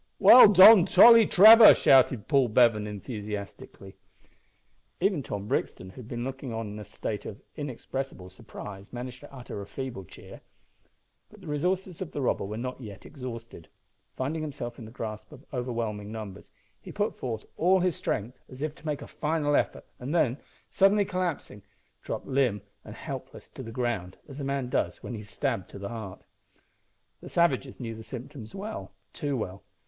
"Well done, Tolly Trevor!" shouted Paul Bevan, enthusiastically. Even Tom Brixton, who had been looking on in a state of inexpressible surprise, managed to utter a feeble cheer. But the resources of the robber were not yet exhausted. Finding himself in the grasp of overwhelming numbers, he put forth all his strength, as if to make a final effort, and then, suddenly collapsing, dropped limp and helpless to the ground, as a man does when he is stabbed to the heart. The savages knew the symptoms well too well!